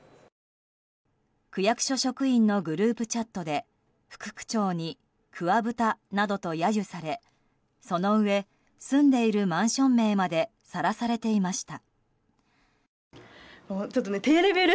区役所職員のグループチャットで副区長に桑ブタなどと揶揄されそのうえ住んでいるマンション名までさらされていました。